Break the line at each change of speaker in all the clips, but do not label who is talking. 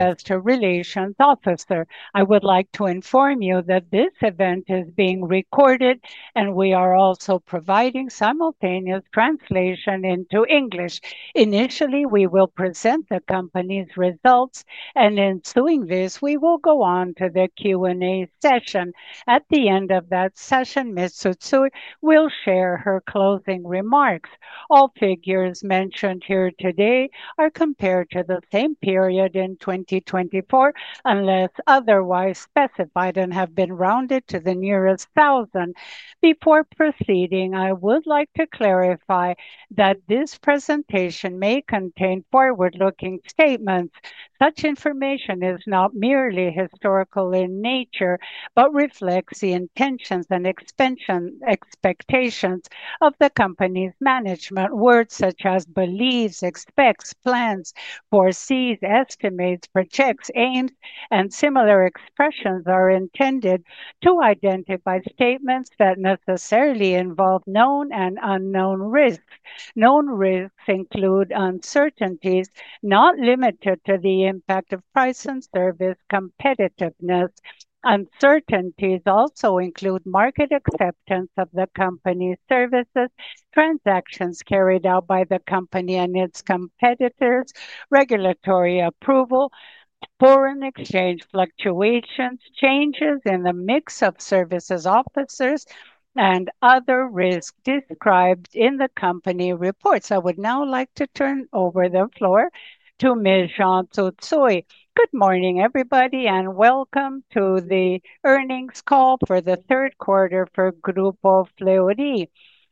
As to Relations Officer, I would like to inform you that this event is being recorded, and we are also providing simultaneous translation into English. Initially, we will present the company's results, and ensuing this, we will go on to the Q&A session. At the end of that session, Ms. Tsutsui will share her closing remarks. All figures mentioned here today are compared to the same period in 2024 unless otherwise specified and have been rounded to the nearest thousand. Before proceeding, I would like to clarify that this presentation may contain forward-looking statements. Such information is not merely historical in nature but reflects the intentions and expectations of the company's management. Words such as believes, expects, plans, foresees, estimates, projects, aims, and similar expressions are intended to identify statements that necessarily involve known and unknown risks. Known risks include uncertainties not limited to the impact of price and service competitiveness. Uncertainties also include market acceptance of the company's services, transactions carried out by the company and its competitors, regulatory approval, foreign exchange fluctuations, changes in the mix of services officers, and other risks described in the company reports. I would now like to turn over the floor to Ms. Jeane Tsutsui.
Good morning, everybody, and welcome to the earnings call for the third quarter for Grupo Fleury.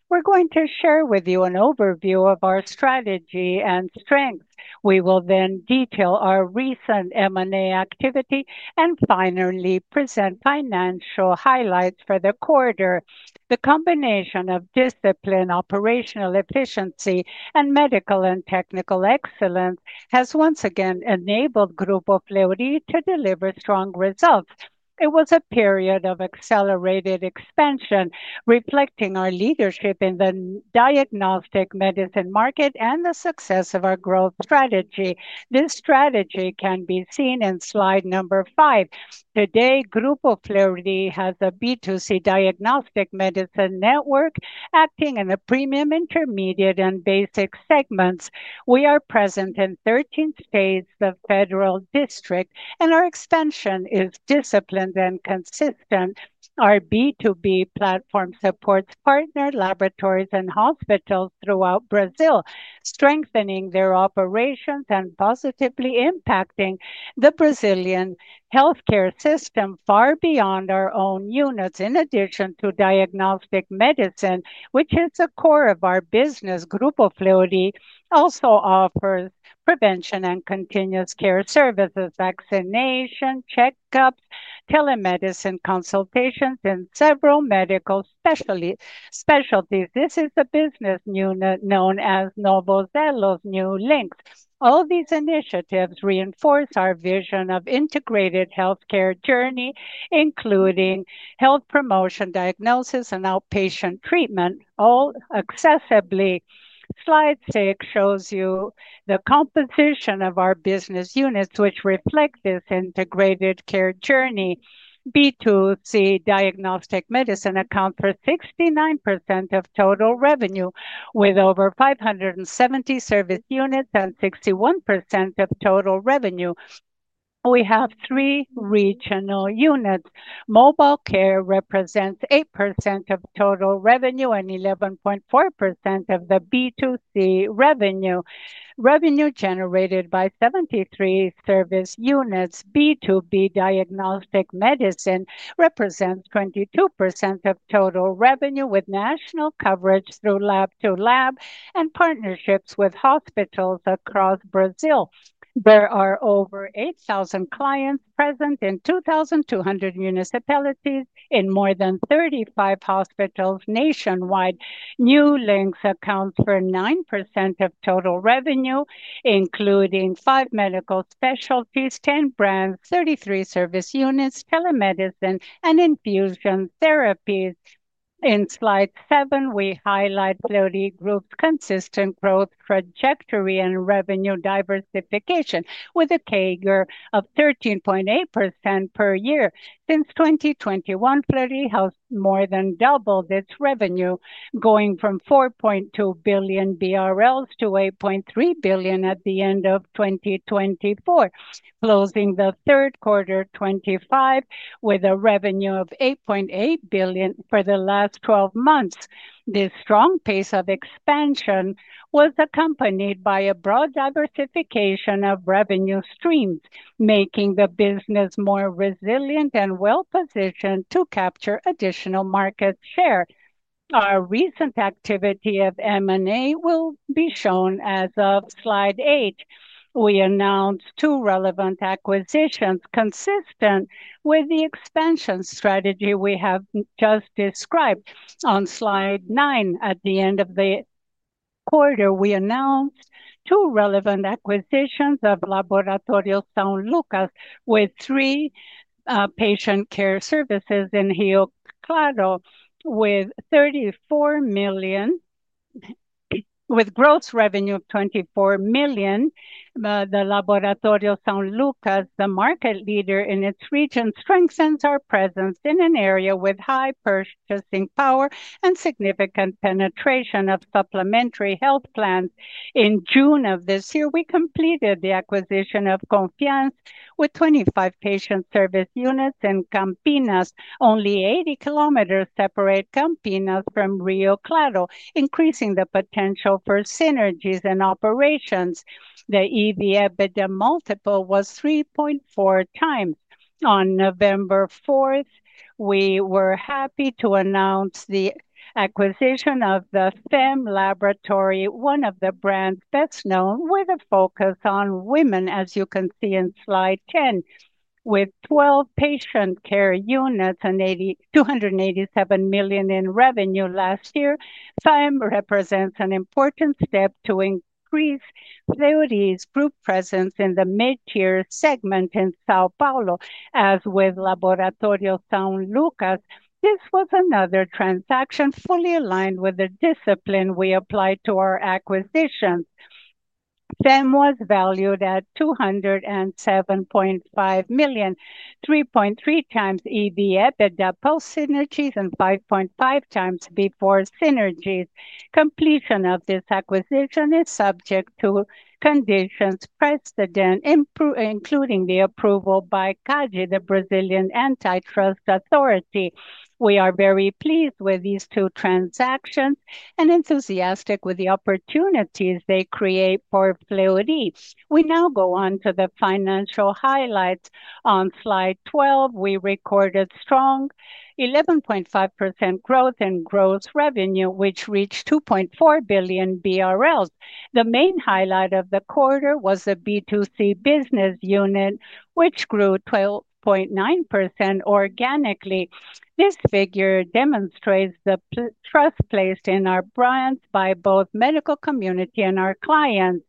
We're going to share with you an overview of our strategy and strengths. We will then detail our recent M&A activity and finally present financial highlights for the quarter. The combination of discipline, operational efficiency, and medical and technical excellence has once again enabled Grupo Fleury to deliver strong results. It was a period of accelerated expansion, reflecting our leadership in the diagnostic medicine market and the success of our growth strategy. This strategy can be seen in slide number five. Today, Grupo Fleury has a B2C diagnostic medicine network acting in the premium, intermediate, and basic segments. We are present in 13 states of Federal District, and our expansion is disciplined and consistent. Our B2B platform supports partner laboratories and hospitals throughout Brazil, strengthening their operations and positively impacting the Brazilian healthcare system far beyond our own units. In addition to diagnostic medicine, which is the core of our business, Grupo Fleury also offers prevention and continuous care services, vaccination, checkups, telemedicine consultations, and several medical specialties. This is a business unit known as NovoZelos New Links. All these initiatives reinforce our vision of an integrated healthcare journey, including health promotion, diagnosis, and outpatient treatment, all accessibly. Slide six shows you the composition of our business units, which reflect this integrated care journey. B2C diagnostic medicine accounts for 69% of total revenue, with over 570 service units and 61% of total revenue. We have three regional units. Mobile care represents 8% of total revenue and 11.4% of the B2C revenue. Revenue generated by 73 service units. B2B diagnostic medicine represents 22% of total revenue, with national coverage through lab to lab and partnerships with hospitals across Brazil. There are over 8,000 clients present in 2,200 municipalities in more than 35 hospitals nationwide. New Links accounts for 9% of total revenue, including five medical specialties, 10 brands, 33 service units, telemedicine, and infusion therapies. In slide seven, we highlight Fleury Group's consistent growth trajectory and revenue diversification, with a CAGR of 13.8% per year. Since 2021, Fleury has more than doubled its revenue, going from 4.2 billion BRL to 8.3 billion at the end of 2024, closing the third quarter 2025 with a revenue of 8.8 billion for the last 12 months. This strong pace of expansion was accompanied by a broad diversification of revenue streams, making the business more resilient and well-positioned to capture additional market share. Our recent activity of M&A will be shown as of slide eight. We announced two relevant acquisitions consistent with the expansion strategy we have just described. On slide nine, at the end of the quarter, we announced two relevant acquisitions of Laboratório São Lucas, with three patient care services in Rio Claro, with gross revenue of 24 million. The Laboratório São Lucas, the market leader in its region, strengthens our presence in an area with high purchasing power and significant penetration of supplementary health plans. In June of this year, we completed the acquisition of Confiança, with 25 patient service units in Campinas, only 80 km separate Campinas from Rio Claro, increasing the potential for synergies and operations. The EV/EBITDA multiple was 3.4 times. On November 4th, we were happy to announce the acquisition of the FEM Laboratory, one of the brands best known, with a focus on women, as you can see in slide 10. With 12 patient care units and 287 million in revenue last year, FEM represents an important step to increase Grupo Fleury's presence in the mid-tier segment in São Paulo. As with Laboratório São Lucas, this was another transaction fully aligned with the discipline we applied to our acquisitions. FEM was valued at 207.5 million, 3.3 times EV/EBITDA post-synergies and 5.5 times before synergies. Completion of this acquisition is subject to conditions precedent, including the approval by CADE, the Brazilian Antitrust Authority. We are very pleased with these two transactions and enthusiastic with the opportunities they create for Fleury. We now go on to the financial highlights. On slide 12, we recorded strong 11.5% growth in gross revenue, which reached 2.4 billion BRL. The main highlight of the quarter was the B2C business unit, which grew 12.9% organically. This figure demonstrates the trust placed in our brands by both the medical community and our clients.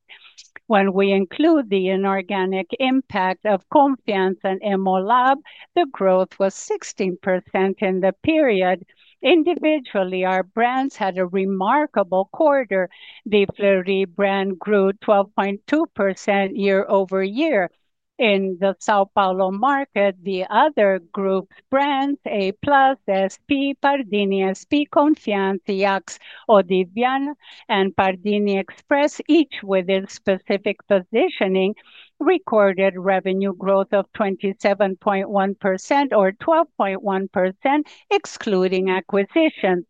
When we include the inorganic impact of Confiança and EMOLAB, the growth was 16% in the period. Individually, our brands had a remarkable quarter. The Fleury brand grew 12.2% year-over-year in the São Paulo market. The other group's brands, A Plus, SP, Pardini SP, Confiança, Yax, Odivian, and Pardini Express, each with its specific positioning, recorded revenue growth of 27.1% or 12.1%, excluding acquisitions.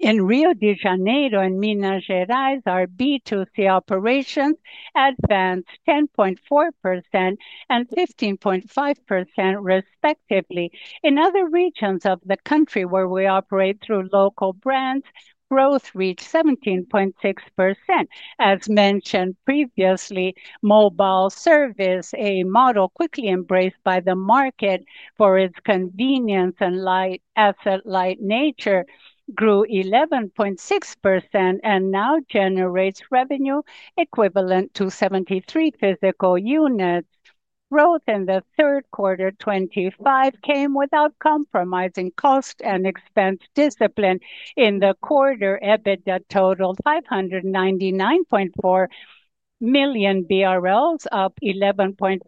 In Rio de Janeiro and Minas Gerais, our B2C operations advanced 10.4% and 15.5%, respectively. In other regions of the country where we operate through local brands, growth reached 17.6%. As mentioned previously, mobile service, a model quickly embraced by the market for its convenience and asset-light nature, grew 11.6% and now generates revenue equivalent to 73 physical units. Growth in the third quarter 2025 came without compromising cost and expense discipline. In the quarter, EBITDA totaled 599.4 million BRL, up 11.5%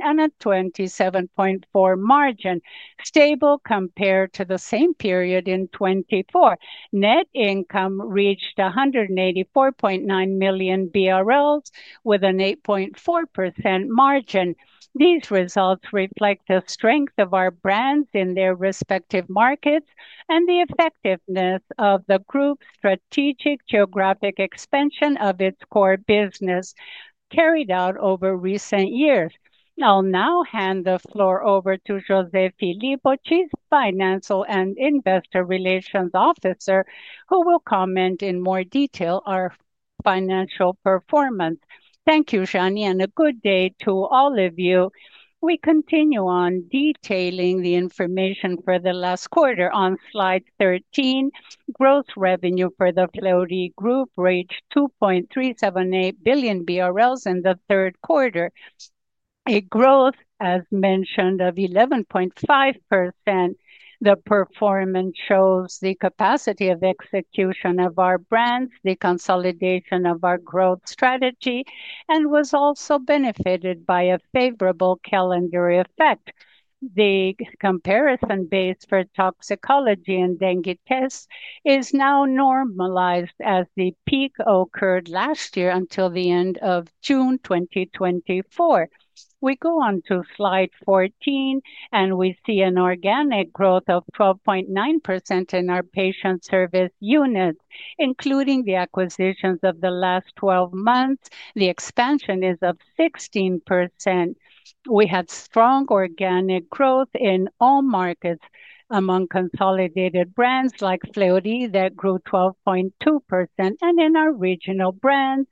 and a 27.4% margin, stable compared to the same period in 2024. Net income reached 184.9 million BRL, with an 8.4% margin. These results reflect the strength of our brands in their respective markets and the effectiveness of the group's strategic geographic expansion of its core business carried out over recent years. I'll now hand the floor over to José Filippo, Chief Financial and Investor Relations Officer, who will comment in more detail on our financial performance.
Thank you, Jeane Tsutsui, and a good day to all of you. We continue on detailing the information for the last quarter. On slide 13, gross revenue for the Fleury Group reached 2.378 billion BRL in the third quarter, a growth, as mentioned, of 11.5%. The performance shows the capacity of execution of our brands, the consolidation of our growth strategy, and was also benefited by a favorable calendar effect. The comparison base for toxicological and dengue tests is now normalized as the peak occurred last year until the end of June 2024. We go on to slide 14, and we see an organic growth of 12.9% in our patient service units, including the acquisitions of the last 12 months. The expansion is of 16%. We had strong organic growth in all markets among consolidated brands like Fleury that grew 12.2%, and in our regional brands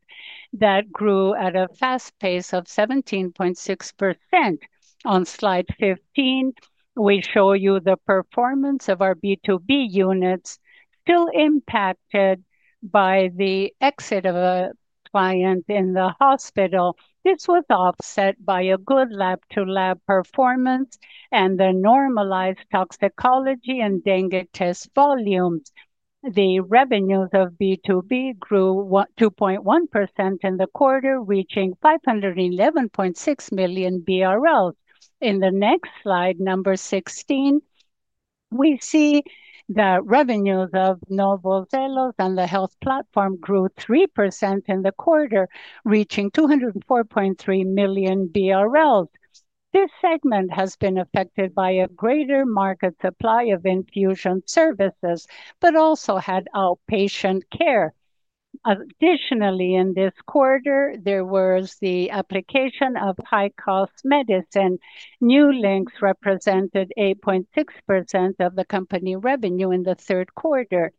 that grew at a fast pace of 17.6%. On slide 15, we show you the performance of our B2B units, still impacted by the exit of a client in the hospital. This was offset by a good lab-to-lab performance and the normalized toxicology and dengue test volumes. The revenues of B2B grew 2.1% in the quarter, reaching 511.6 million BRL. In the next slide, number 16, we see that revenues of NovoZelos and the health platform grew 3% in the quarter, reaching 204.3 million BRL. This segment has been affected by a greater market supply of infusion services, but also had outpatient care. Additionally, in this quarter, there was the application of high-cost medicine. New Links represented 8.6% of the company revenue in the third quarter.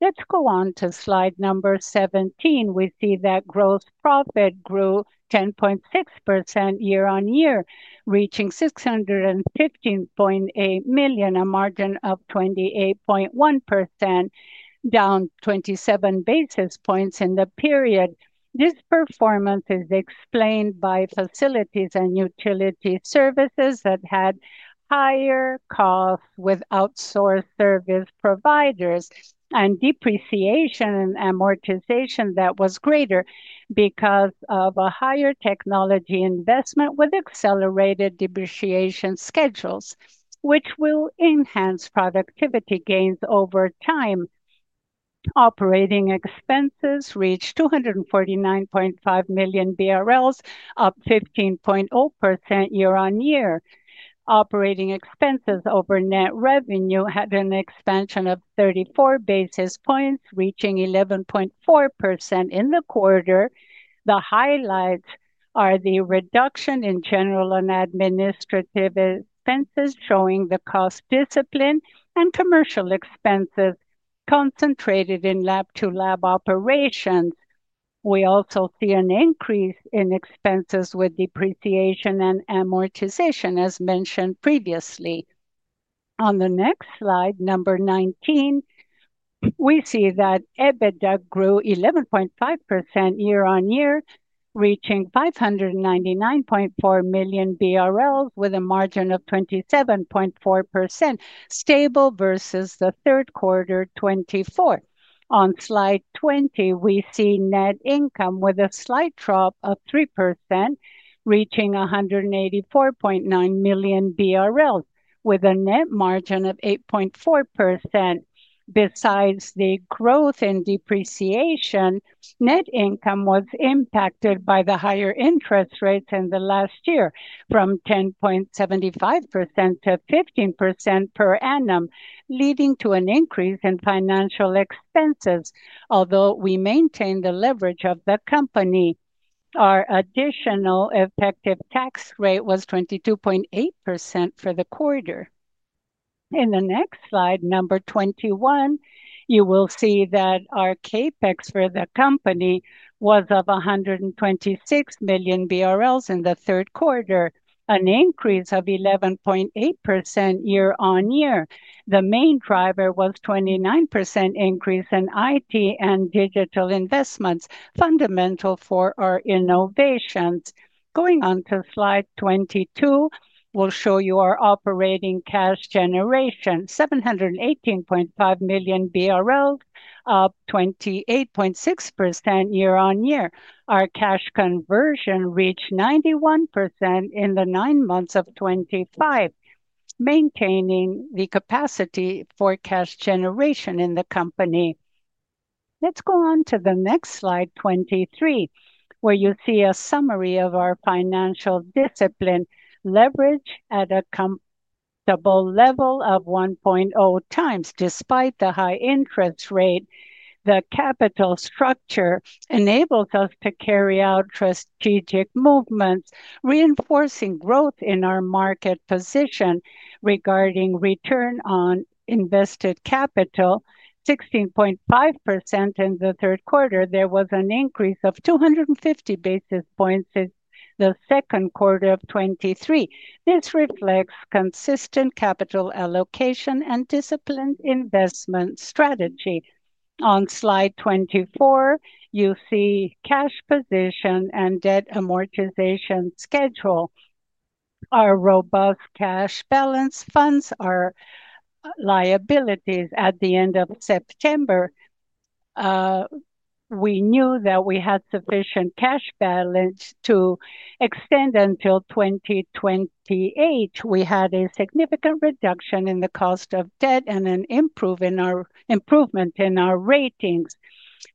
Let's go on to slide number 17. We see that gross profit grew 10.6% year-on-year, reaching 615.8 million, a margin of 28.1%, down 27 basis points in the period. This performance is explained by facilities and utility services that had higher costs with outsourced service providers, and depreciation and amortization that was greater because of a higher technology investment with accelerated depreciation schedules, which will enhance productivity gains over time. Operating expenses reached 249.5 million BRL, up 15.0% year on year. Operating expenses over net revenue had an expansion of 34 basis points, reaching 11.4% in the quarter. The highlights are the reduction in general and administrative expenses, showing the cost discipline and commercial expenses concentrated in lab-to-lab operations. We also see an increase in expenses with depreciation and amortization, as mentioned previously. On the next slide, number 19, we see that EBITDA grew 11.5% year-on-year, reaching 599.4 million BRL, with a margin of 27.4%, stable versus the third quarter 2024. On slide 20, we see net income with a slight drop of 3%, reaching 184.9 million BRL, with a net margin of 8.4%. Besides the growth in depreciation, net income was impacted by the higher interest rates in the last year, from 10.75% to 15% per annum, leading to an increase in financial expenses, although we maintained the leverage of the company. Our additional effective tax rate was 22.8% for the quarter. In the next slide, number 21, you will see that our CapEx for the company was of 126 million BRL in the third quarter, an increase of 11.8% year-on-year. The main driver was a 29% increase in IT and digital investments, fundamental for our innovations. Going on to slide 22, we'll show you our operating cash generation: 718.5 million BRL, up 28.6% year-on-year. Our cash conversion reached 91% in the nine months of 2025, maintaining the capacity for cash generation in the company. Let's go on to the next slide, 23, where you see a summary of our financial discipline. Leverage at a comfortable level of 1.0x, despite the high interest rate, the capital structure enables us to carry out strategic movements, reinforcing growth in our market position regarding return on invested capital: 16.5% in the third quarter. There was an increase of 250 basis points in the second quarter of 2023. This reflects consistent capital allocation and disciplined investment strategy. On slide 24, you see cash position and debt amortization schedule. Our robust cash balance funds our liabilities at the end of September. We knew that we had sufficient cash balance to extend until 2028. We had a significant reduction in the cost of debt and an improvement in our ratings.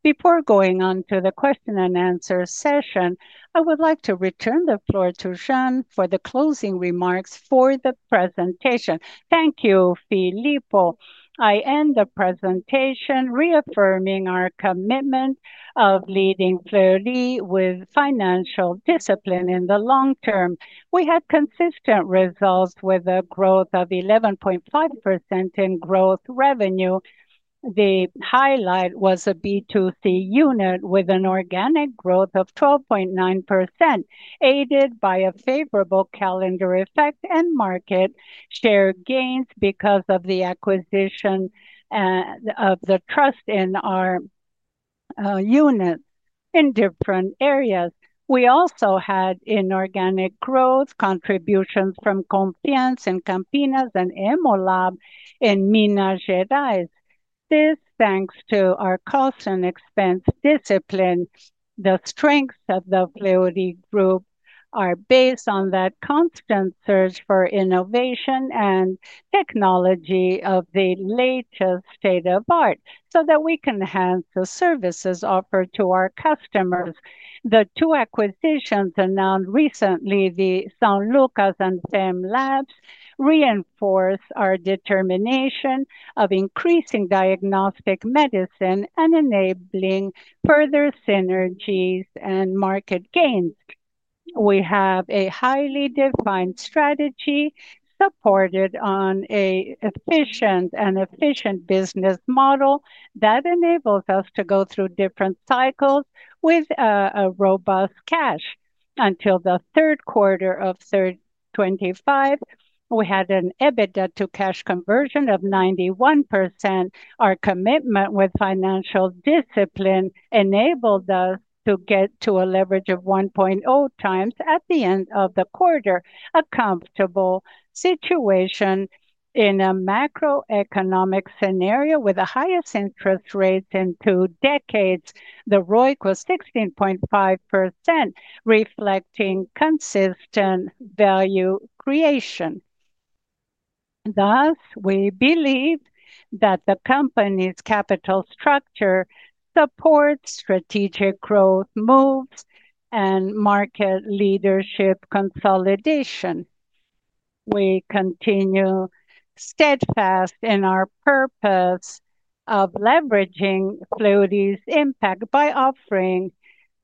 Before going on to the question and answer session, I would like to return the floor to Jeane Tsutsui for the closing remarks for the presentation.
Thank you, Filippo. I end the presentation reaffirming our commitment of leading Fleury with financial discipline in the long term. We had consistent results with a growth of 11.5% in gross revenue. The highlight was a B2C unit with an organic growth of 12.9%, aided by a favorable calendar effect and market share gains because of the acquisition of the trust in our units in different areas. We also had inorganic growth contributions from Confiança in Campinas and emoLab in Minas Gerais. This, thanks to our cost and expense discipline, the strengths of the Fleury Group are based on that constant search for innovation and technology of the latest state of art so that we can enhance the services offered to our customers. The two acquisitions announced recently, the São Lucas and FEM Labs, reinforce our determination of increasing diagnostic medicine and enabling further synergies and market gains. We have a highly defined strategy supported on an efficient and efficient business model that enables us to go through different cycles with robust cash. Until the third quarter of 2025, we had an EBITDA to cash conversion of 91%. Our commitment with financial discipline enabled us to get to a leverage of 1.0 times at the end of the quarter, a comfortable situation in a macroeconomic scenario with the highest interest rates in two decades. The ROIC was 16.5%, reflecting consistent value creation. Thus, we believe that the company's capital structure supports strategic growth moves and market leadership consolidation. We continue steadfast in our purpose of leveraging Fleury's impact by offering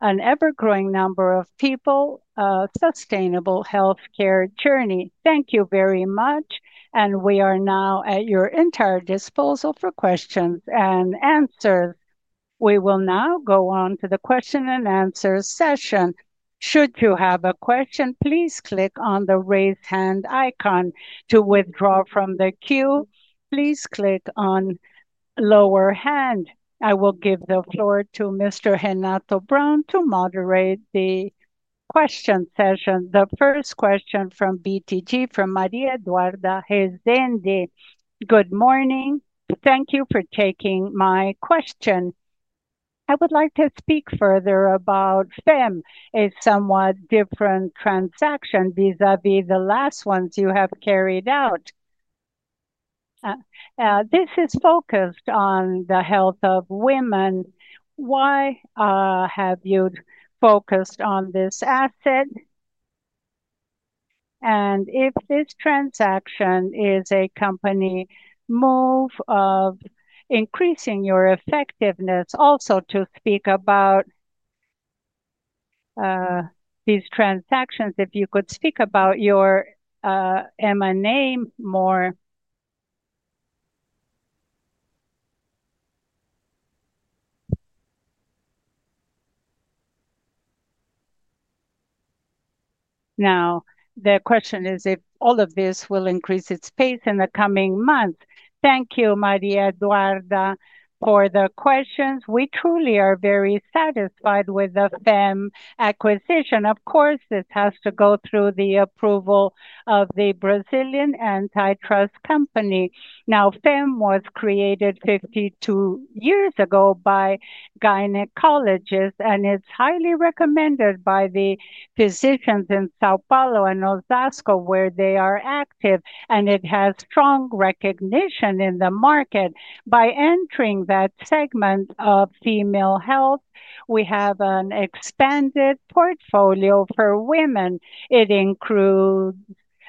an ever-growing number of people a sustainable healthcare journey. Thank you very much, and we are now at your entire disposal for questions and answers. We will now go on to the question and answer session. Should you have a question, please click on the raise hand icon to withdraw from the queue. Please click on the lower hand. I will give the floor to Mr. Renato Brown to moderate the question session.
The first question from BTG, from Maria Eduarda Resende.
Good morning. Thank you for taking my question. I would like to speak further about FEM, a somewhat different transaction vis-à-vis the last ones you have carried out. This is focused on the health of women. Why have you focused on this asset? If this transaction is a company move of increasing your effectiveness, also to speak about these transactions, if you could speak about your M&A more. Now, the question is if all of this will increase its pace in the coming months.
Thank you, Maria Eduarda, for the questions. We truly are very satisfied with the FEM acquisition. Of course, this has to go through the approval of the Brazilian antitrust company. Now, FEM was created 52 years ago by gynecologists, and it is highly recommended by the physicians in São Paulo and Osasco, where they are active, and it has strong recognition in the market. By entering that segment of female health, we have an expanded portfolio for women. It includes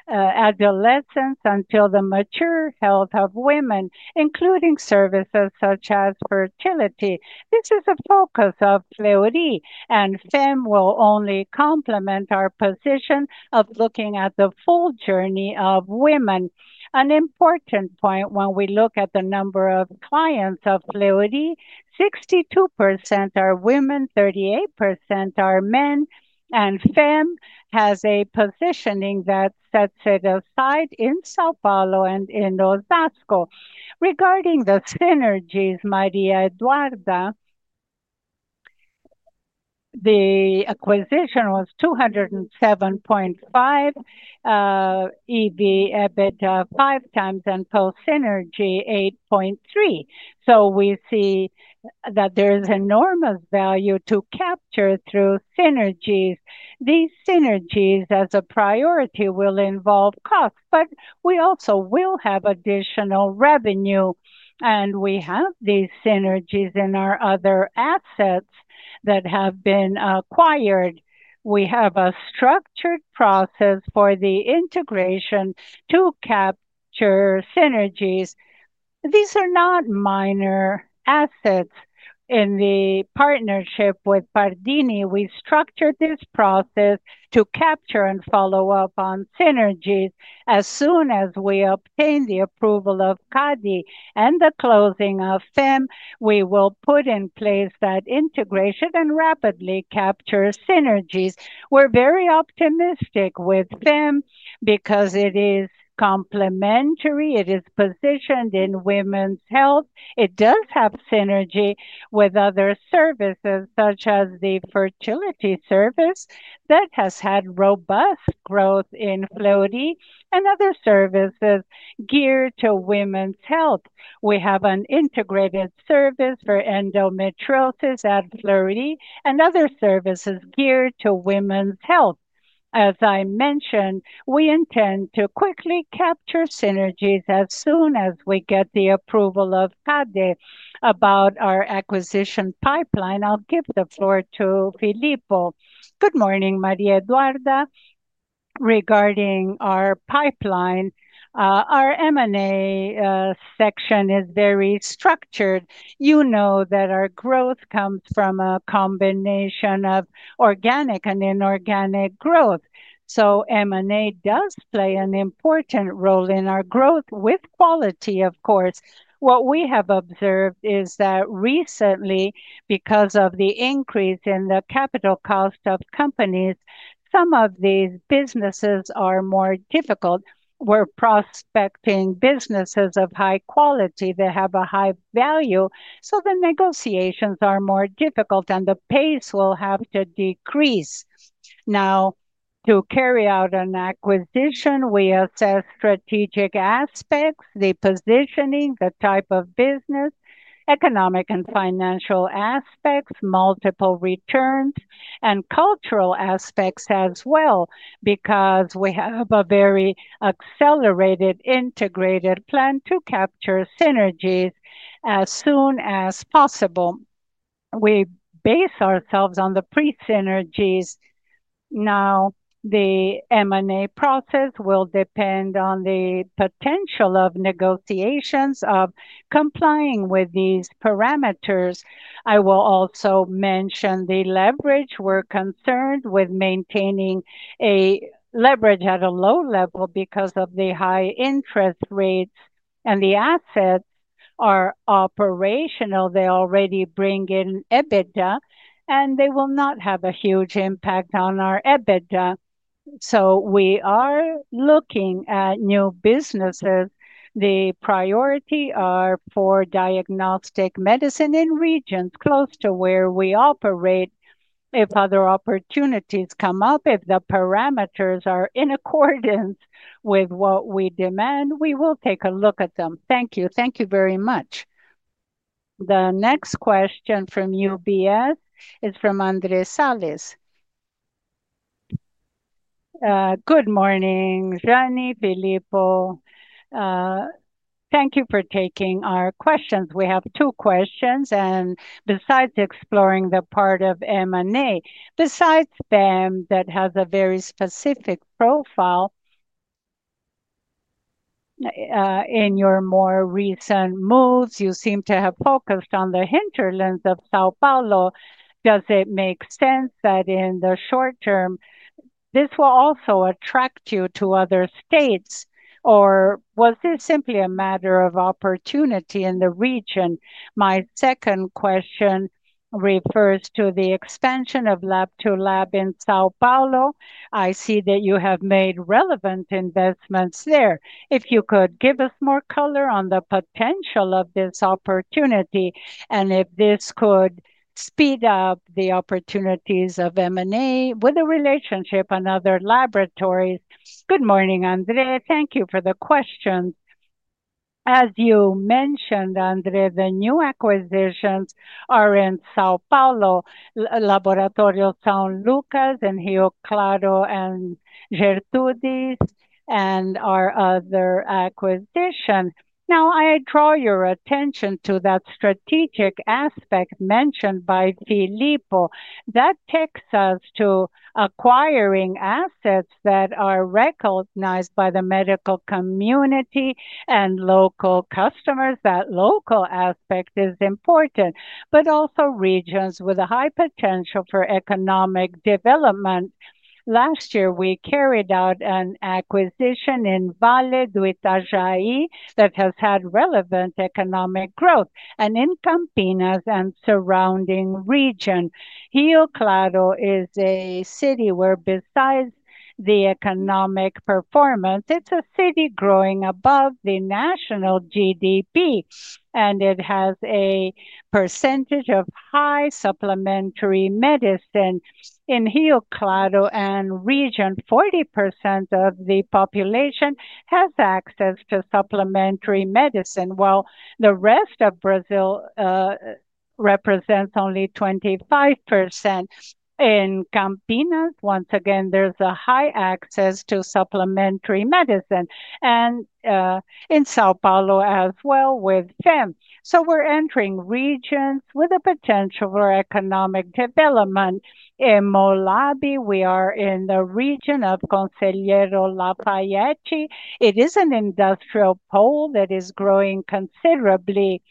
adolescence until the mature health of women, including services such as fertility. This is a focus of Fleury, and FEM will only complement our position of looking at the full journey of women. An important point, when we look at the number of clients of Fleury, 62% are women, 38% are men, and FEM has a positioning that sets it aside in São Paulo and in Osasco. Regarding the synergies, Maria Eduarda, the acquisition was 207.5 million EV, EBITDA five times, and post-synergy 8.3. We see that there is enormous value to capture through synergies. These synergies, as a priority, will involve costs, but we also will have additional revenue, and we have these synergies in our other assets that have been acquired. We have a structured process for the integration to capture synergies. These are not minor assets. In the partnership with Pardini, we structured this process to capture and follow up on synergies. As soon as we obtain the approval of CADE and the closing of FEM, we will put in place that integration and rapidly capture synergies. We're very optimistic with FEM because it is complementary. It is positioned in women's health. It does have synergy with other services, such as the fertility services that have had robust growth in Fleury and other services geared to women's health. We have an integrated service for endometriosis at Fleury and other services geared to women's health. As I mentioned, we intend to quickly capture synergies as soon as we get the approval of CADE about our acquisition pipeline. I'll give the floor to Filippo.
Good morning, Maria Eduarda. Regarding our pipeline, our M&A section is very structured. You know that our growth comes from a combination of organic and inorganic growth. M&A does play an important role in our growth with quality, of course. What we have observed is that recently, because of the increase in the capital cost of companies, some of these businesses are more difficult. We're prospecting businesses of high quality that have a high value. The negotiations are more difficult, and the pace will have to decrease. Now, to carry out an acquisition, we assess strategic aspects, the positioning, the type of business, economic and financial aspects, multiple returns, and cultural aspects as well, because we have a very accelerated integrated plan to capture synergies as soon as possible. We base ourselves on the pre-synergies. Now, the M&A process will depend on the potential of negotiations of complying with these parameters. I will also mention the leverage. We're concerned with maintaining a leverage at a low level because of the high interest rates, and the assets are operational. They already bring in EBITDA, and they will not have a huge impact on our EBITDA. We are looking at new businesses. The priorities are for diagnostic medicine in regions close to where we operate. If other opportunities come up, if the parameters are in accordance with what we demand, we will take a look at them.
Thank you. Thank you very much.
The next question from UBS is from Andrés Santos.
Good morning, Jeane and Filippo. Thank you for taking our questions. We have two questions, and besides exploring the part of M&A, besides FEM that has a very specific profile, in your more recent moves, you seem to have focused on the hinterlands of São Paulo. Does it make sense that in the short term, this will also attract you to other states, or was this simply a matter of opportunity in the region? My second question refers to the expansion of lab to lab in São Paulo. I see that you have made relevant investments there. If you could give us more color on the potential of this opportunity, and if this could speed up the opportunities of M&A with a relationship with other laboratories.
Good morning, Andrés. Thank you for the question. As you mentioned, Andrés, the new acquisitions are in São Paulo, Laboratório São Lucas, and Rio Claro and Gertrudes, and our other acquisition. Now, I draw your attention to that strategic aspect mentioned by Filippo. That takes us to acquiring assets that are recognized by the medical community and local customers. That local aspect is important, but also regions with a high potential for economic development. Last year, we carried out an acquisition in Vale do Itajaí that has had relevant economic growth, and in Campinas and surrounding region. Rio Claro is a city where, besides the economic performance, it's a city growing above the national GDP, and it has a percentage of high supplementary medicine. In Rio Claro and region, 40% of the population has access to supplementary medicine, while the rest of Brazil represents only 25%. In Campinas, once again, there's a high access to supplementary medicine, and in São Paulo as well with FEM. We are entering regions with a potential for economic development. In emoLab, we are in the region of Conselheiro Lafaiete. It is an industrial pole that is growing considerably.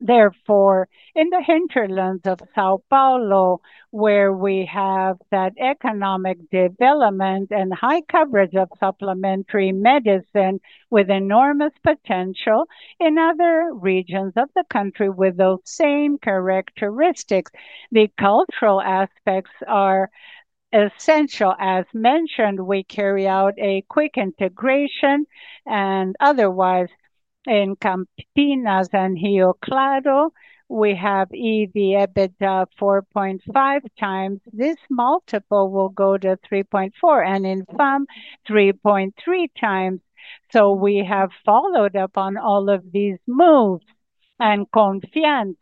Therefore, in the hinterlands of São Paulo, where we have that economic development and high coverage of supplementary medicine with enormous potential in other regions of the country with those same characteristics, the cultural aspects are essential. As mentioned, we carry out a quick integration, and otherwise, in Campinas and Rio Claro, we have EV/EBITDA 4.5 times. This multiple will go to 3.4, and in FEM, 3.3 times. We have followed up on all of these moves, and Confiança,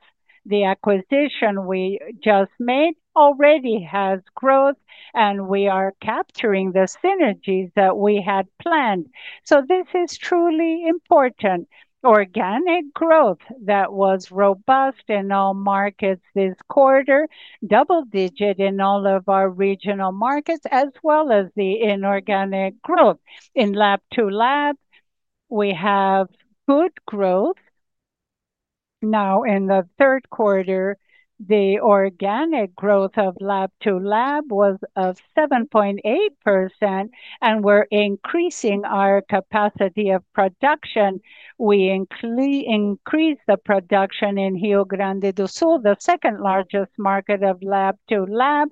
the acquisition we just made, already has growth, and we are capturing the synergies that we had planned. This is truly important. Organic growth that was robust in all markets this quarter, double-digit in all of our regional markets, as well as the inorganic growth. In lab to lab, we have good growth. Now, in the third quarter, the organic growth of lab to lab was 7.8%, and we're increasing our capacity of production. We increased the production in Rio Grande do Sul, the second largest market of lab to lab,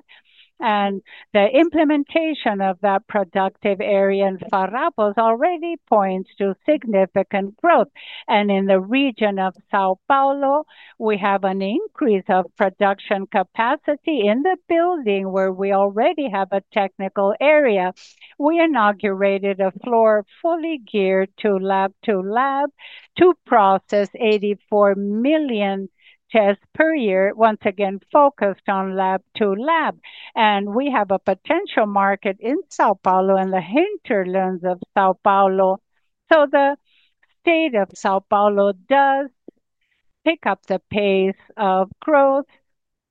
and the implementation of that productive area in Farroupilha already points to significant growth. In the region of São Paulo, we have an increase of production capacity in the building where we already have a technical area. We inaugurated a floor fully geared to lab to lab to process 84 million tests per year, once again focused on lab to lab, and we have a potential market in São Paulo and the hinterlands of São Paulo. The state of São Paulo does pick up the pace of growth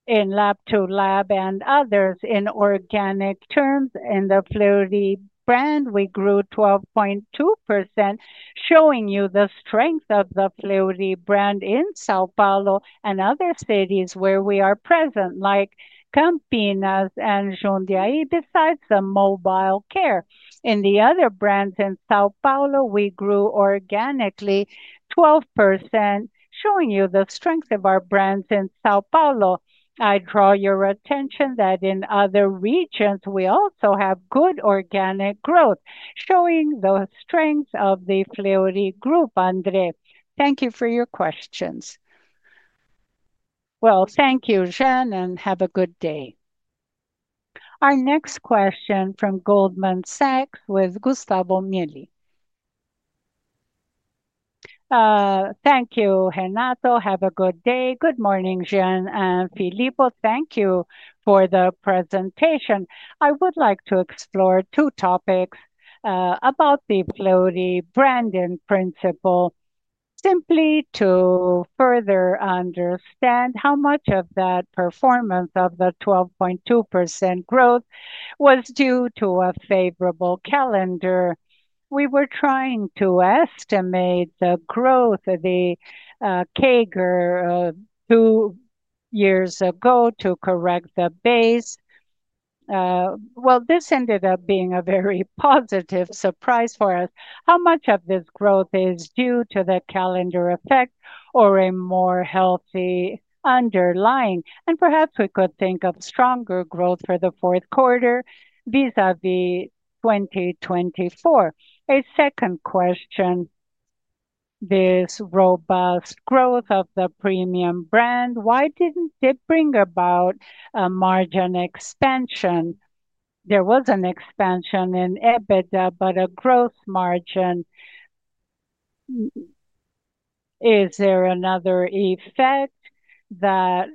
in lab to lab and others in organic terms. In the Fleury brand, we grew 12.2%, showing you the strength of the Fleury brand in São Paulo and other cities where we are present, like Campinas and Jundiaí, besides the mobile care. In the other brands in São Paulo, we grew organically 12%, showing you the strength of our brands in São Paulo. I draw your attention that in other regions, we also have good organic growth, showing the strength of the Fleury group, Andrés. Thank you for your questions.
Thank you, Jean, and have a good day.
Our next question from Goldman Sachs with Gustavo Miele.
Thank you, Renato. Have a good day. Good morning, Jean and Filippo. Thank you for the presentation. I would like to explore two topics about the Fleury brand in principle, simply to further understand how much of that performance of the 12.2% growth was due to a favorable calendar. We were trying to estimate the growth of the CAGR two years ago to correct the base. This ended up being a very positive surprise for us. How much of this growth is due to the calendar effect or a more healthy underlying? Perhaps we could think of stronger growth for the fourth quarter vis-à-vis 2024. A second question, this robust growth of the premium brand, why did it not bring about a margin expansion? There was an expansion in EBITDA, but a gross margin. Is there another effect that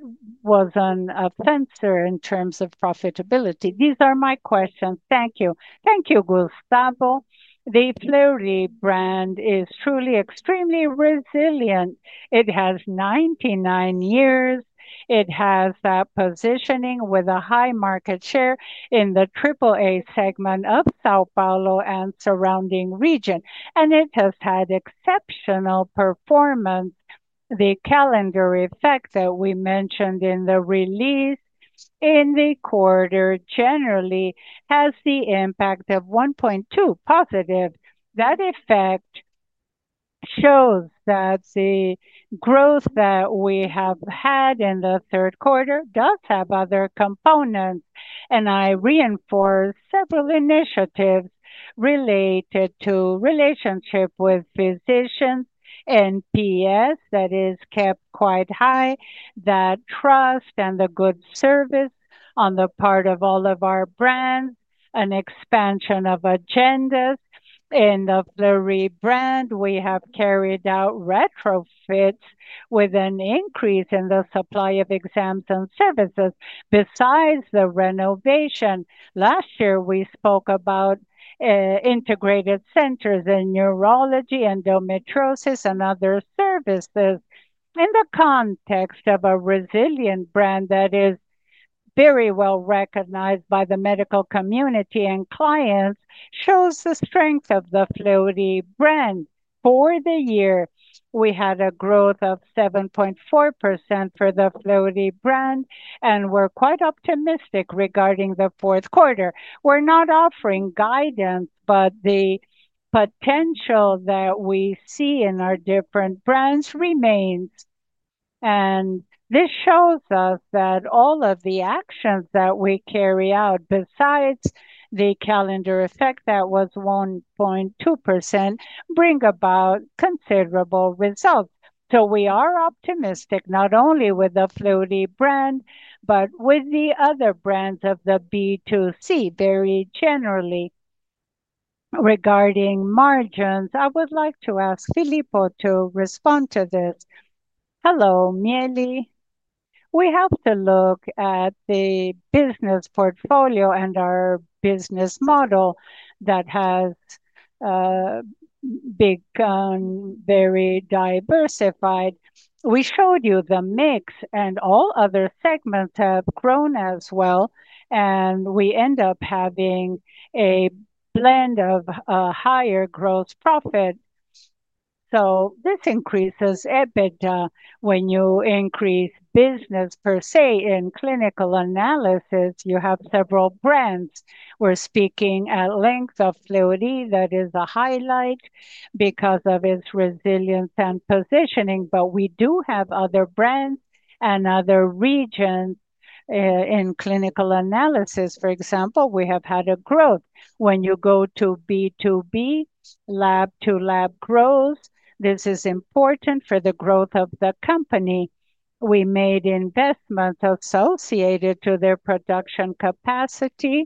was not offensive in terms of profitability? These are my questions. Thank you.
Thank you, Gustavo. The Fleury brand is truly extremely resilient. It has 99 years. It has that positioning with a high market share in the AAA segment of São Paulo and surrounding region, and it has had exceptional performance. The calendar effect that we mentioned in the release in the quarter generally has the impact of 1.2 positive. That effect shows that the growth that we have had in the third quarter does have other components, and I reinforce several initiatives related to relationship with physicians and PS that is kept quite high, that trust and the good service on the part of all of our brands, an expansion of agendas. In the Fleury brand, we have carried out retrofits with an increase in the supply of exams and services besides the renovation. Last year, we spoke about integrated centers in neurology, endometriosis, and other services. In the context of a resilient brand that is very well recognized by the medical community and clients, it shows the strength of the Fleury brand. For the year, we had a growth of 7.4% for the Fleury brand, and we're quite optimistic regarding the fourth quarter. We're not offering guidance, but the potential that we see in our different brands remains. This shows us that all of the actions that we carry out, besides the calendar effect that was 1.2%, bring about considerable results. We are optimistic not only with the Fleury brand, but with the other brands of the B2C very generally. Regarding margins, I would like to ask Filippo to respond to this.
Hello, Miele. We have to look at the business portfolio and our business model that has become very diversified. We showed you the mix, and all other segments have grown as well, and we end up having a blend of higher gross profit. This increases EBITDA when you increase business per se in clinical analysis. You have several brands. We're speaking at length of Fleury that is a highlight because of its resilience and positioning, but we do have other brands and other regions in clinical analysis. For example, we have had a growth. When you go to B2B, lab to lab grows, this is important for the growth of the company. We made investments associated to their production capacity,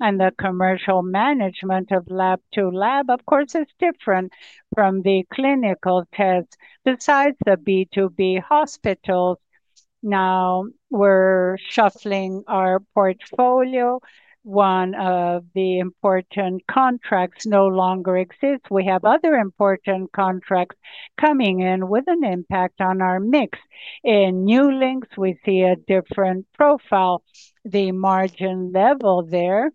and the commercial management of lab to lab, of course, is different from the clinical tests. Besides the B2B hospitals, now we're shuffling our portfolio. One of the important contracts no longer exists. We have other important contracts coming in with an impact on our mix. In New Linx, we see a different profile. The margin level there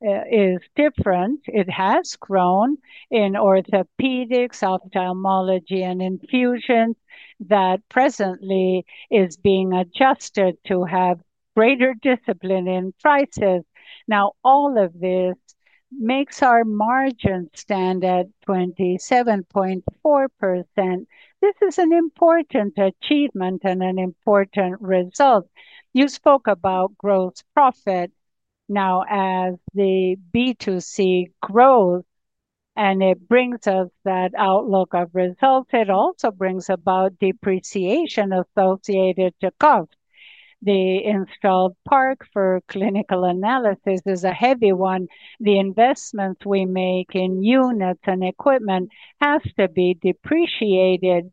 is different. It has grown in orthopedics, ophthalmology, and infusions. That presently is being adjusted to have greater discipline in prices. Now, all of this makes our margin stand at 27.4%. This is an important achievement and an important result. You spoke about gross profit now as the B2C grows, and it brings us that outlook of results. It also brings about depreciation associated to cost. The installed park for clinical analysis is a heavy one. The investments we make in units and equipment have to be depreciated.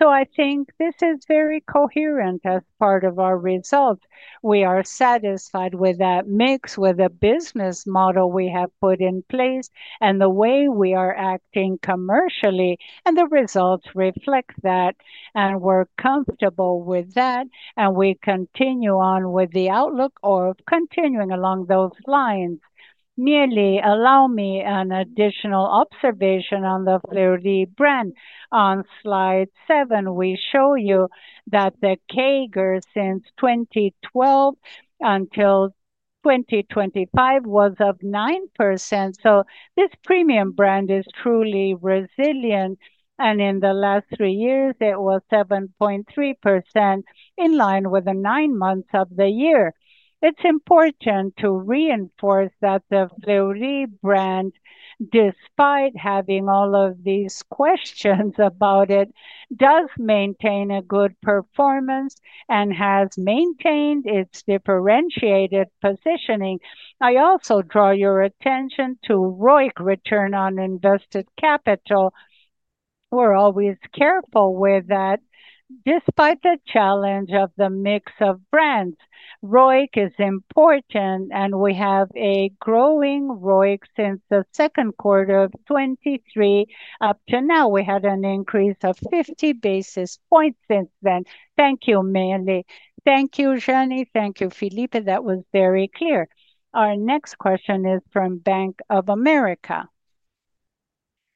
I think this is very coherent as part of our results. We are satisfied with that mix with the business model we have put in place and the way we are acting commercially, and the results reflect that, and we're comfortable with that, and we continue on with the outlook of continuing along those lines.
Mieli, allow me an additional observation on the Fleury brand. On slide seven, we show you that the CAGR since 2012 until 2025 was 9%. So this premium brand is truly resilient, and in the last three years, it was 7.3% in line with the nine months of the year. It's important to reinforce that the Fleury brand, despite having all of these questions about it, does maintain a good performance and has maintained its differentiated positioning. I also draw your attention to ROIC, return on invested capital. We're always careful with that, despite the challenge of the mix of brands. ROIC is important, and we have a growing ROIC since the second quarter of 2023. Up to now, we had an increase of 50 basis points since then. Thank you, Mieli.
Thank you, Jeane. Thank you, Filippo. That was very clear.
Our next question is from Bank of America,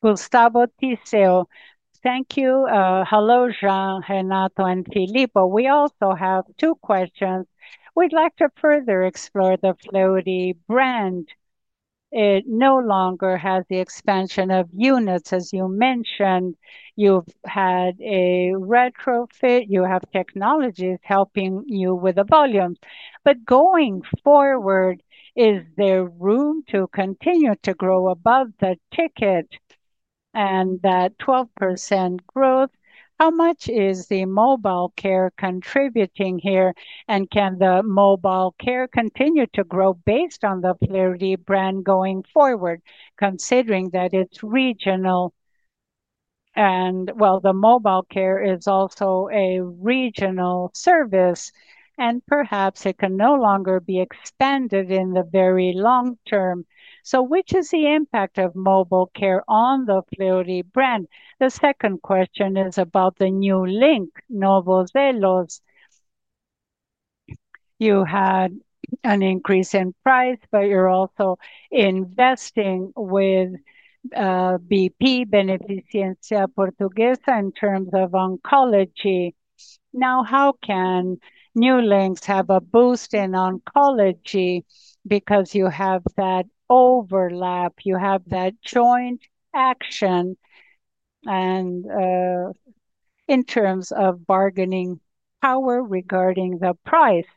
Gustavo Tutsu. thank you. Hello, Jeane, Renato, and Filippo. We also have two questions. We'd like to further explore the Fleury brand. It no longer has the expansion of units, as you mentioned. You've had a retrofit. You have technologies helping you with the volumes. Going forward, is there room to continue to grow above the ticket and that 12% growth? How much is the mobile care contributing here, and can the mobile care continue to grow based on the Fleury brand going forward, considering that it's regional? While the mobile care is also a regional service, perhaps it can no longer be expanded in the very long term. Which is the impact of mobile care on the Fleury brand? The second question is about the New Link, Novo Zelos. You had an increase in price, but you're also investing with BP Beneficência Portuguesa in terms of oncology. Now, how can New Linx have a boost in oncology because you have that overlap? You have that joint action in terms of bargaining power regarding the price.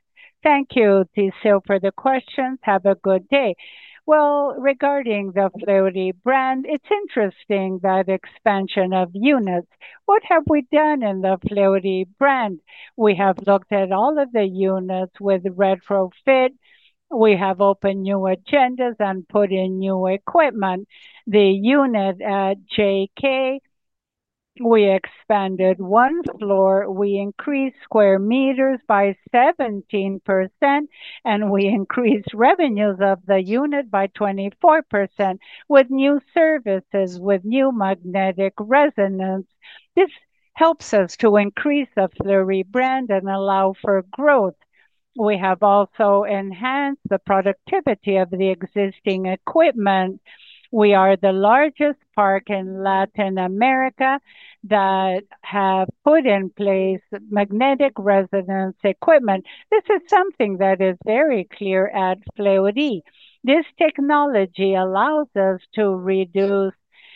Thank you, Tutsu, for the questions. Have a good day. Regarding the Fleury brand, it's interesting that expansion of units. What have we done in the Fleury brand? We have looked at all of the units with retrofit. We have opened new agendas and put in new equipment. The unit at JK, we expanded one floor. We increased square meters by 17%, and we increased revenues of the unit by 24% with new services, with new magnetic resonance. This helps us to increase the Fleury brand and allow for growth. We have also enhanced the productivity of the existing equipment. We are the largest park in Latin America that has put in place magnetic resonance equipment. This is something that is very clear at Fleury. This technology allows us to reduce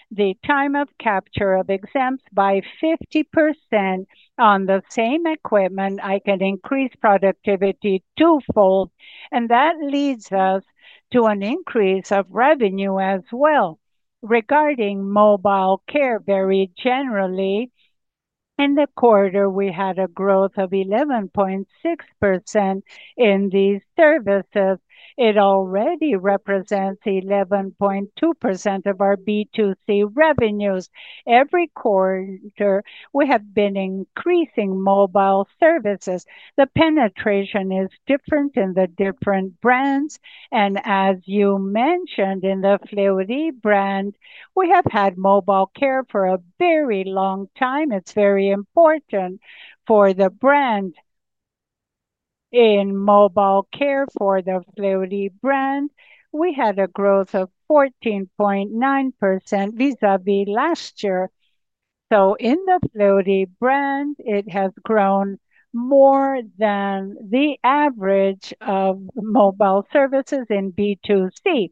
the time of capture of exams by 50%. On the same equipment, I can increase productivity twofold, and that leads us to an increase of revenue as well. Regarding mobile care very generally, in the quarter, we had a growth of 11.6% in these services. It already represents 11.2% of our B2C revenues. Every quarter, we have been increasing mobile services. The penetration is different in the different brands, and as you mentioned, in the Fleury brand, we have had mobile care for a very long time. It's very important for the brand. In mobile care for the Fleury brand, we had a growth of 14.9% vis-à-vis last year. In the Fleury brand, it has grown more than the average of mobile services in B2C.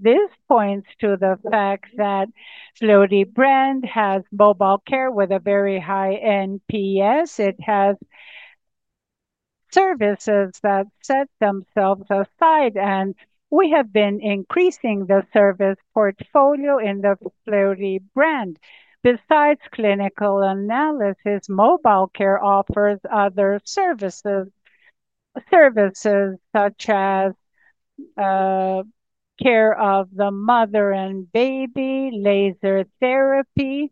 This points to the fact that the Fleury brand has mobile care with a very high NPS. It has services that set themselves aside, and we have been increasing the service portfolio in the Fleury brand. Besides clinical analysis, mobile care offers other services, such as care of the mother and baby, laser therapy,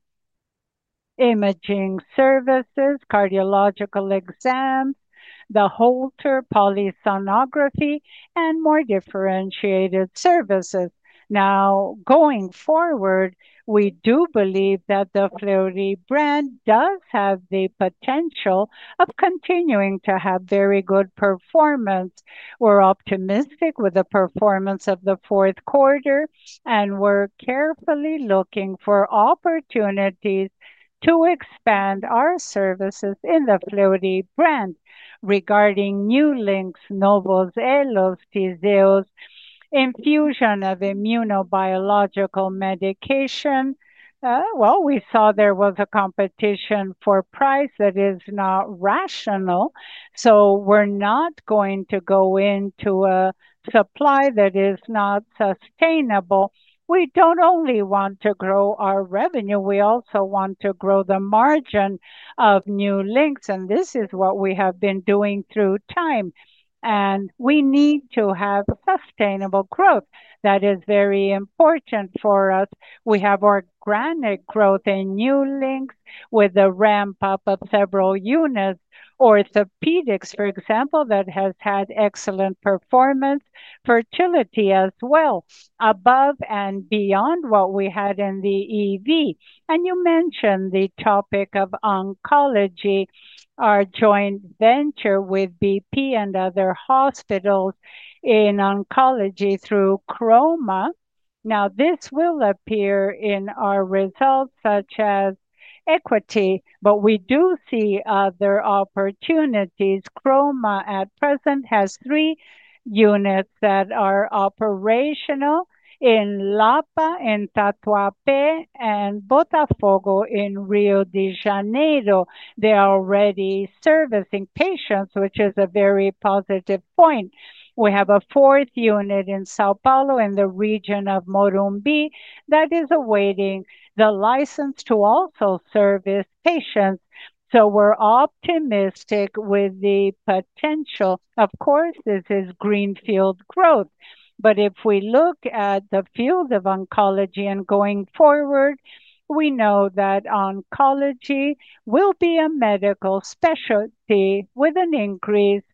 imaging services, cardiological exams, the Holter, polysonography, and more differentiated services. Now, going forward, we do believe that the Fleury brand does have the potential of continuing to have very good performance. We're optimistic with the performance of the fourth quarter, and we're carefully looking for opportunities to expand our services in the Fleury brand. Regarding New Links, Novo Zelos, Tzeos, infusion of immunobiological medication, we saw there was a competition for price that is not rational. We are not going to go into a supply that is not sustainable. We do not only want to grow our revenue. We also want to grow the margin of New Links, and this is what we have been doing through time. We need to have sustainable growth. That is very important for us. We have organic growth in New Links with a ramp-up of several units. Orthopedics, for example, that has had excellent performance, fertility as well, above and beyond what we had in the EV. You mentioned the topic of oncology, our joint venture with BP and other hospitals in oncology through Cromā. This will appear in our results such as equity, but we do see other opportunities. Cromā at present has three units that are operational in Lapa, in Tatuapé, and Botafogo in Rio de Janeiro. They are already servicing patients, which is a very positive point. We have a fourth unit in São Paulo in the region of Morumbi that is awaiting the license to also service patients. We are optimistic with the potential. Of course, this is greenfield growth, but if we look at the field of oncology and going forward, we know that oncology will be a medical specialty with an increase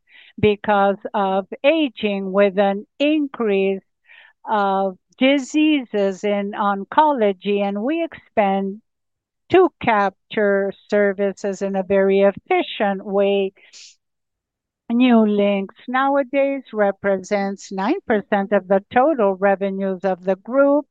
because of aging, with an increase of diseases in oncology, and we expand to capture services in a very efficient way. New Linx nowadays represents 9% of the total revenues of the group.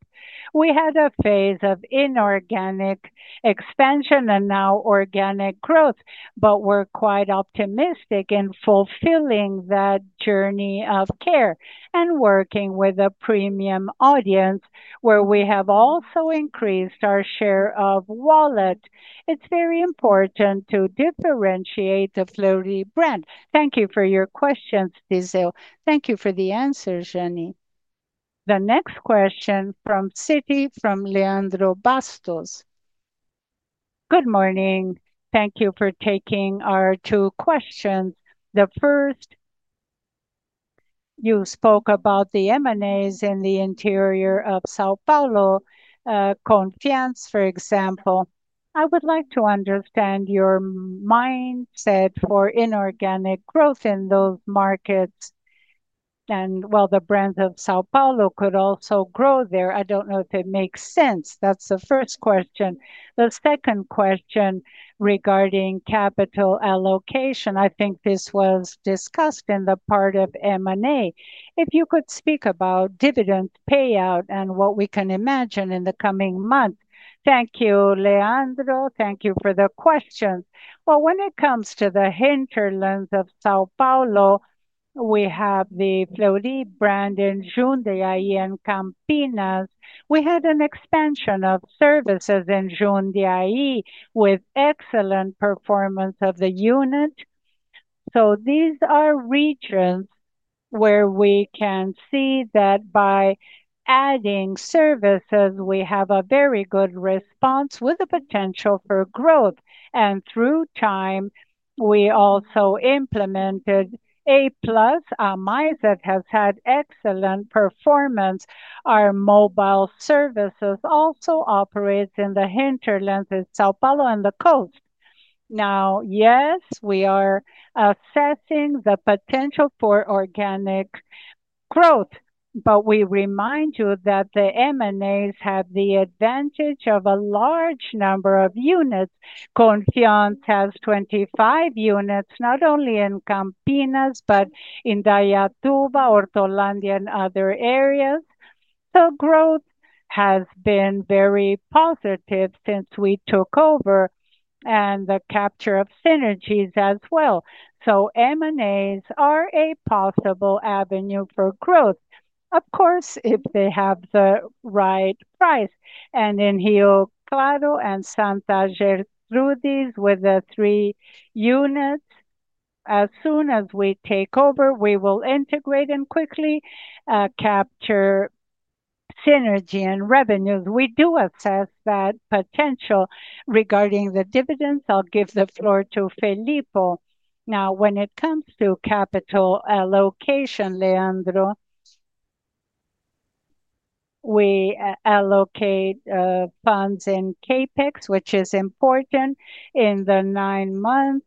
We had a phase of inorganic expansion and now organic growth, but we're quite optimistic in fulfilling that journey of care and working with a premium audience where we have also increased our share of wallet. It's very important to differentiate the Fleury brand. Thank you for your questions, Tutsu. Thank you for the answers, Jeane.
The next question from Citi from Leandro Bastos.
Good morning. Thank you for taking our two questions. The first, you spoke about the M&As in the interior of São Paulo, Confiança, for example. I would like to understand your mindset for inorganic growth in those markets and while the brand of São Paulo could also grow there. I do not know if it makes sense. That is the first question. The second question regarding capital allocation, I think this was discussed in the part of M&A. If you could speak about dividend payout and what we can imagine in the coming month.
Thank you, Leandro. Thank you for the questions. When it comes to the hinterlands of São Paulo, we have the Fleury brand in Jundiaí and Campinas. We had an expansion of services in Jundiaí with excellent performance of the unit. These are regions where we can see that by adding services, we have a very good response with a potential for growth. Through time, we also implemented A Plus, a MISE that has had excellent performance. Our mobile services also operate in the hinterlands of São Paulo and the coast. Now, yes, we are assessing the potential for organic growth, but we remind you that the M&As have the advantage of a large number of units. Confiança has 25 units, not only in Campinas, but in Indaiatuba, Orlândia, and other areas. Growth has been very positive since we took over and the capture of synergies as well. M&As are a possible avenue for growth, of course, if they have the right price. In Rio Claro and Santa Gertrudes, with the three units, as soon as we take over, we will integrate and quickly capture synergy and revenues. We do assess that potential regarding the dividends. I'll give the floor to Filippo.
Now, when it comes to capital allocation, Leandro, we allocate funds in CapEx, which is important. In the nine months,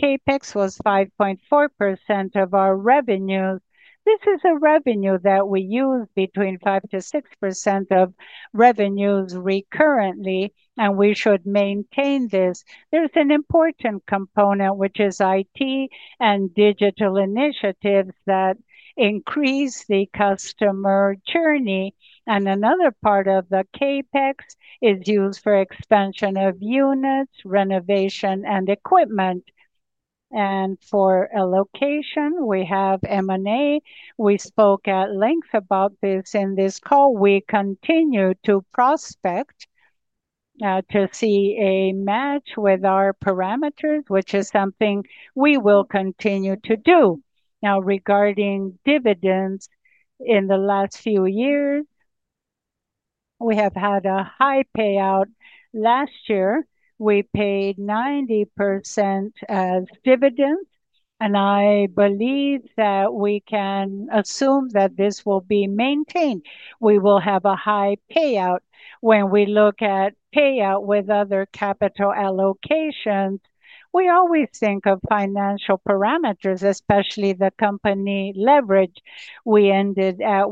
CAPEX was 5.4% of our revenues. This is a revenue that we use between 5%-6% of revenues recurrently, and we should maintain this. There is an important component, which is IT and digital initiatives that increase the customer journey. Another part of the CAPEX is used for expansion of units, renovation, and equipment. For allocation, we have M&A. We spoke at length about this in this call. We continue to prospect to see a match with our parameters, which is something we will continue to do. Now, regarding dividends, in the last few years, we have had a high payout. Last year, we paid 90% as dividends, and I believe that we can assume that this will be maintained. We will have a high payout. When we look at payout with other capital allocations, we always think of financial parameters, especially the company leverage. We ended at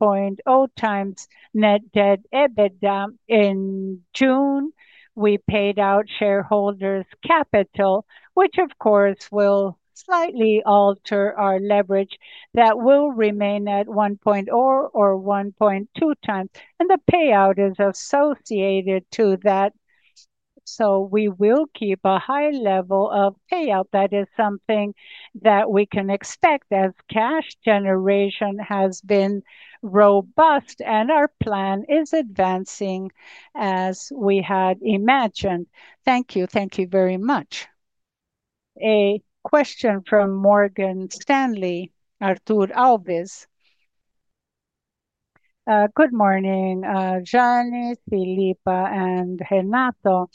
1.0 times net debt EBITDA in June. We paid out shareholders' capital, which, of course, will slightly alter our leverage. That will remain at 1.0 or 1.2 times, and the payout is associated to that. So we will keep a high level of payout. That is something that we can expect as cash generation has been robust, and our plan is advancing as we had imagined. Thank you.
Thank you very much.
A question from Morgan Stanley, Artur Alves.
Good morning, Jeane, Filippo, and Renato.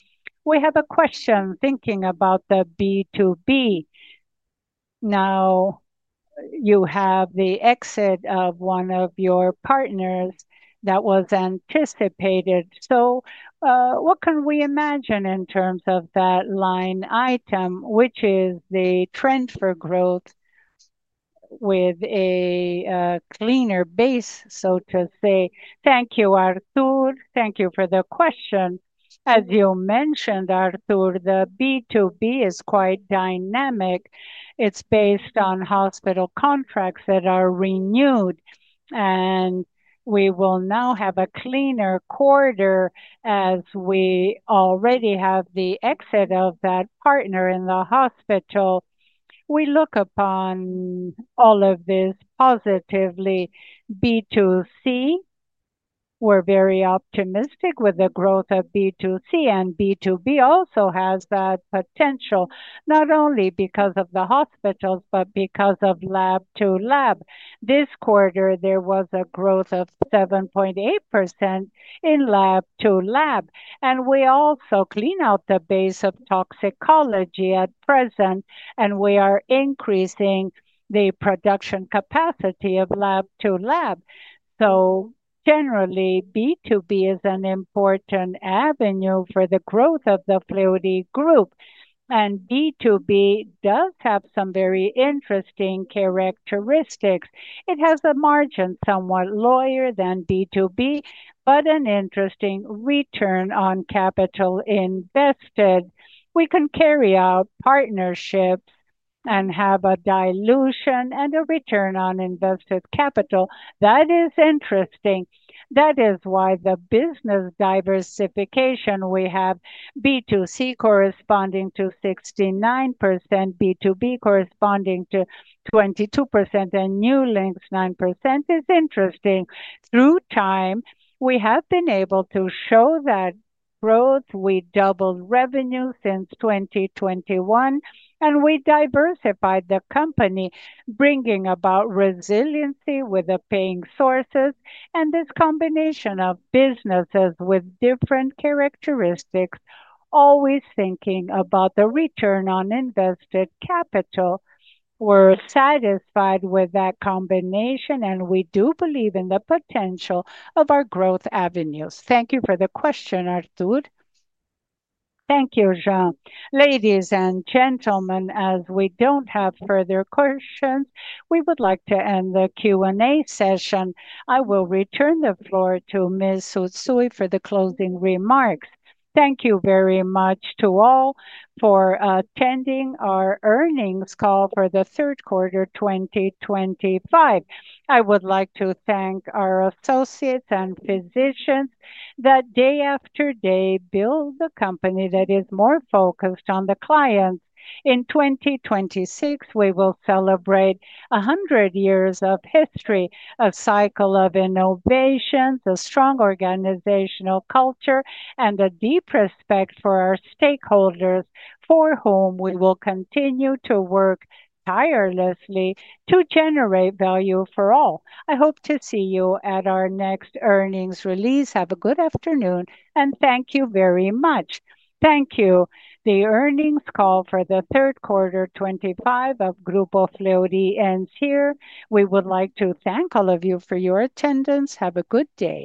We have a question thinking about the B2B. Now, you have the exit of one of your partners that was anticipated. What can we imagine in terms of that line item, which is the trend for growth with a cleaner base, so to say?
Thank you, Artur. Thank you for the question. As you mentioned, Artur, the B2B is quite dynamic. It is based on hospital contracts that are renewed, and we will now have a cleaner quarter as we already have the exit of that partner in the hospital. We look upon all of this positively. B2C, we are very optimistic with the growth of B2C, and B2B also has that potential, not only because of the hospitals, but because of lab to lab. This quarter, there was a growth of 7.8% in lab to lab, and we also clean out the base of toxicology at present, and we are increasing the production capacity of lab to lab. Generally, B2B is an important avenue for the growth of the Fleury group, and B2B does have some very interesting characteristics. It has a margin somewhat lower than B2C, but an interesting return on capital invested. We can carry out partnerships and have a dilution and a return on invested capital. That is interesting. That is why the business diversification we have, B2C corresponding to 69%, B2B corresponding to 22%, and New Linx 9%, is interesting. Through time, we have been able to show that growth. We doubled revenue since 2021, and we diversified the company, bringing about resiliency with the paying sources. This combination of businesses with different characteristics, always thinking about the return on invested capital, we're satisfied with that combination, and we do believe in the potential of our growth avenues. Thank you for the question, Artur.
Thank you, Jeane.
Ladies and gentlemen, as we do not have further questions, we would like to end the Q&A session. I will return the floor to Ms. Tsutsui for the closing remarks.
Thank you very much to all for attending our earnings call for the third quarter 2025. I would like to thank our associates and physicians that day after day build the company that is more focused on the clients. In 2026, we will celebrate 100 years of history, a cycle of innovations, a strong organizational culture, and a deep respect for our stakeholders for whom we will continue to work tirelessly to generate value for all. I hope to see you at our next earnings release. Have a good afternoon, and thank you very much.
Thank you. The earnings call for the third quarter 2025 of Grupo Fleury ends here. We would like to thank all of you for your attendance. Have a good day.